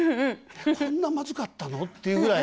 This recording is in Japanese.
こんなまずかったの？っていうぐらい。